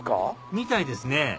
みたいですね